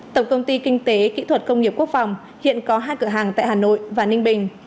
tổng công ty kinh tế kỹ thuật công nghiệp quốc phòng hiện có hai cửa hàng tại hà nội và ninh bình